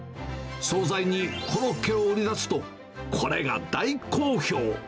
総菜にコロッケを売り出すと、これが大好評。